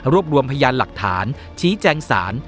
รวมรวมพยานหลักฐานชี้แจงสาร